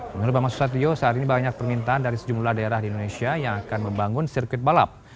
menurut bambang susatyo saat ini banyak permintaan dari sejumlah daerah di indonesia yang akan membangun sirkuit balap